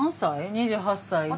２８歳で。